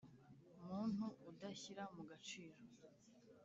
Muntu udashyira mu gaciro